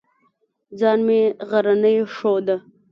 ځان مې غرنی ښوده.